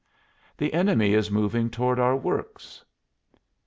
"The enemy is moving toward our works."